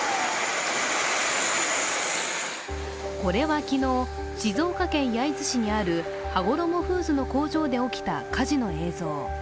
これは昨日、静岡県焼津市にあるはごろもフーズの工場で起きた火事の映像。